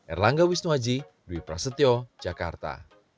erlangga wisnuwaji dewi prasetyo jakarta